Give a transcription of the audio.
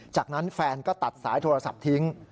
จากนั้นแฟนก็ตัดสายโทรศัพท์ทิ้ง